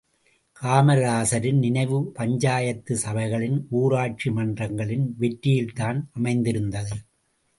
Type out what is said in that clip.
காமராசரின் நினைவு பஞ்சாயத்து சபைகளின் ஊராட்சி மன்றங்களின் வெற்றியில் தான் அமைந்திருந்தது.